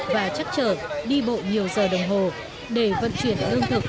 và chắc chở đi bộ nhiều giờ đồng hồ để vận chuyển lương thực